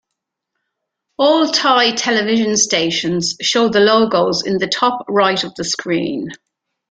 All Thai television stations show the logos in the top-right of the screen.